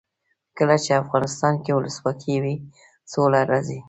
کله چې افغانستان کې ولسواکي وي سوله راځي.